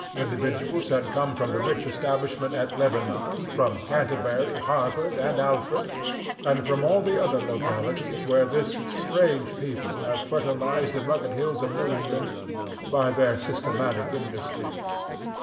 Individuals had come from the rich establishment at Lebanon, from Canterbury, Harvard and Alfred, and from all the other localities where this strange people have fertilized the rugged hills of New England by their systematic industry.